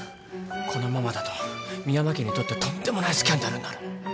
このままだと深山家にとってとんでもないスキャンダルになる。